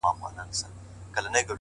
د زحمت خوله د بریا بوی لري؛